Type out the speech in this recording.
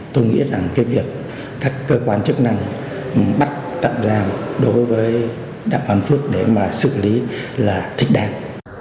tôi nghĩ rằng cái việc các cơ quan chức năng bắt đặng làm đối với đặng đăng phước để mà xử lý là thích đáng